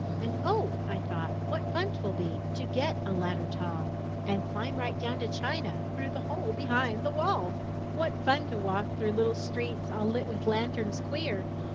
And Oh, I thought, what fun 'twill be To get a ladder tall. And climb right down to China through The hole behind the wall! 386 IN THE NURSERY What fun to walk through little streets All lit with lanterns queer!